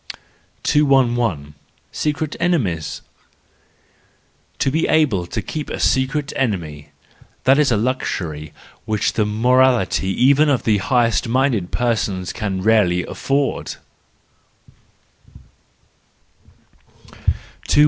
THE JOYFUL WISDOM, III 198 211 . Secret Enemies .—To be able to keep a secret enemy—that is a luxury which the morality even of the highest minded persons can rarely afford.